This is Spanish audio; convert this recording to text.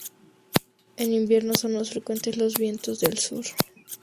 En invierno son más frecuentes los vientos del sur.